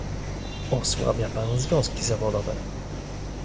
Osłabia Pan związki zawodowe